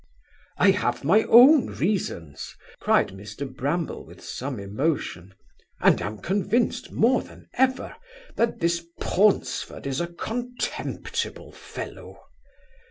'I have my own reasons (cried Mr Bramble, with some emotion) and am convinced, more than ever, that this Paunceford is a contemptible fellow.